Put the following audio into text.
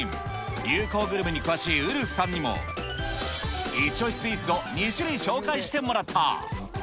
流行グルメに詳しいウルフさんにも、一押しスイーツを２種類紹介してもらった。